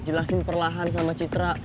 jelasin perlahan sama citra